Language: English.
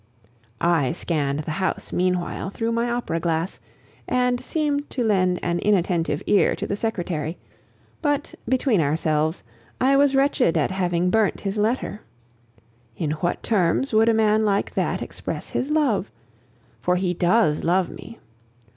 I scanned the house meanwhile through my opera glass, and seemed to lend an inattentive ear to the secretary; but, between ourselves, I was wretched at having burnt his letter. In what terms would a man like that express his love? For he does love me.